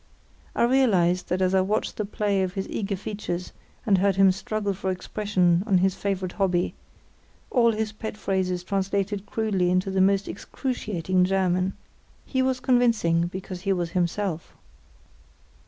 I realised that as I watched the play of his eager features, and heard him struggle for expression on his favourite hobby; all his pet phrases translated crudely into the most excruciating German. He was convincing, because he was himself.